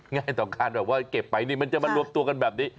ง่ายต่อการแบบว่าเก็บไปนี่มันจะมารวมตัวกันแบบนี้